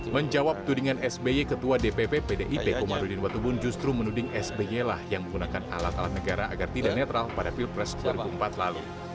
menjawab tudingan sby ketua dpp pdip komarudin watubun justru menuding sby lah yang menggunakan alat alat negara agar tidak netral pada pilpres dua ribu empat lalu